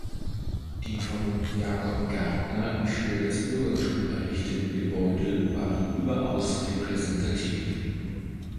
Die von Jakob Gartner für das Bürgertum errichteten Gebäude waren überaus repräsentativ.